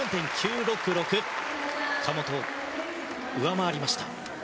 神本を上回りました。